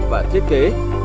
và thiết kế